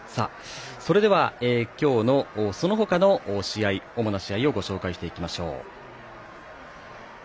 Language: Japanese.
それでは今日のこの他の主な試合をご紹介していきましょう。